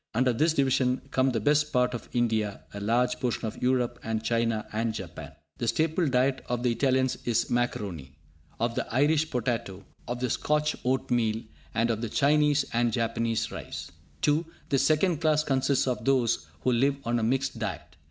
Under this division come the best part of India, a large portion of Europe, and China and Japan. The staple diet of the Italians is macaroni, of the Irish potato, of the Scotch oatmeal, and of the Chinese and Japanese rice. (2) The second class consists of those who live on a mixed diet.